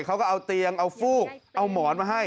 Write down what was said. เขาก็เอาเตียงเอาฟูกเอาหมอนมาให้